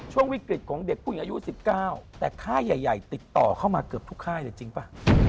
ช่วงวิกฤตของเด็กผู้หญิงอายุ๑๙แต่ค่ายใหญ่ติดต่อเข้ามาเกือบทุกค่ายเลยจริงป่ะ